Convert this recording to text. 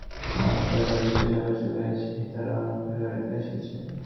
আজ টাকার বিশেষ আবশ্যক হইয়াছে, সীতারাম রুক্মিণীর বাড়িতে আসিয়াছে।